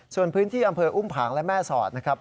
ส่วนพื้นที่อำเภออุ้มผางและแม่สอดนะครับ